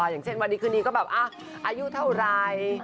อย่างเช่นวันนี้คืนนี้ก็แบบอายุเท่าไร